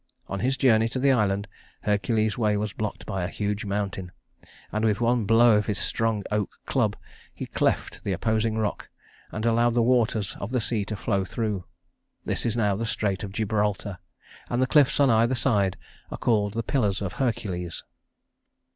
On his journey to the island, Hercules's way was blocked by a huge mountain; and with one blow of his strong oak club he cleft the opposing rock, and allowed the waters of the sea to flow through. This is now the strait of Gibraltar, and the cliffs on either side are called the Pillars of Hercules.